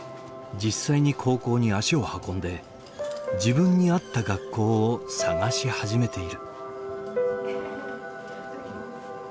実際に高校に足を運んで自分に合った学校を探し始めている。